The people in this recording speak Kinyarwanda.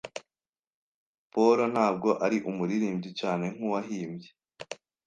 Paul ntabwo ari umuririmbyi cyane nkuwahimbye.